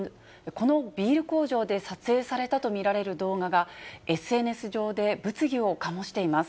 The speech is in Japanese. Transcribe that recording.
このビール工場で撮影されたとみられる動画が、ＳＮＳ上で物議を醸しています。